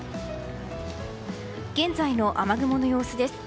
現在の雨雲の様子です。